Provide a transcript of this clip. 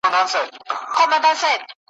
د خدای ساتنه `